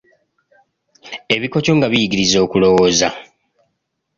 Ebikoco nga biyigiriza okulowooza.